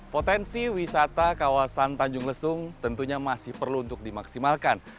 potensi wisata kawasan tanjung lesung tentunya masih perlu untuk dimaksimalkan